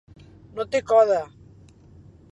No té coda.